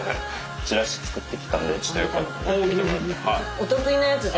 お得意のやつで。